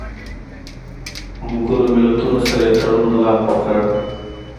ملګرو ملتونو سره یې تړون لغوه کړی